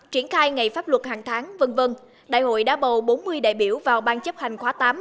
triển khai ngày pháp luật hàng tháng v v đại hội đã bầu bốn mươi đại biểu vào bang chấp hành khóa tám